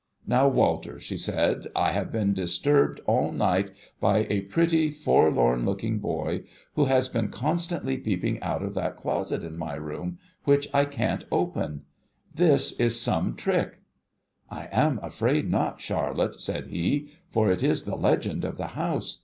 ' Now, Walter,' she said, ' I have THE ORPHAN BOY 15 been disturbed all night by a pretty, forlorn looking boy, who has been constantly peeping out of that closet in my room, which I can't open. This is some trick.' ' I am afraid not, Charlotte,' said he, ' for it is the legend of the house.